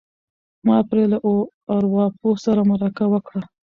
ما پرې له ارواپوه سره مرکه وکړه.